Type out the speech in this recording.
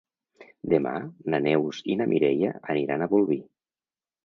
Demà na Neus i na Mireia aniran a Bolvir.